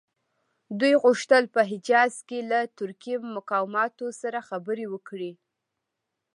دوی غوښتل په حجاز کې له ترکي مقاماتو سره خبرې وکړي.